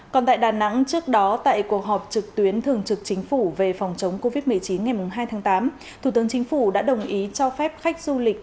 còn tại đà nẵng trước đó tại cuộc họp trực tuyến thường trực chính phủ về phòng chống covid một mươi chín ngày hai tháng tám thủ tướng chính phủ đã đồng ý cho phép khách du lịch